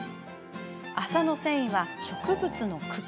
麻の繊維は植物の茎。